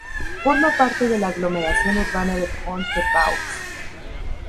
Forma parte de la aglomeración urbana de Pont-de-Vaux.